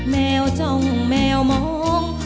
แมวจ้องแมวมอง